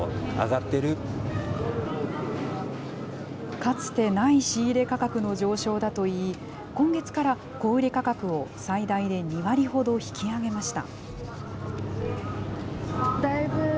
かつてない仕入れ価格の上昇だといい、今月から小売り価格を最大で２割ほど引き上げました。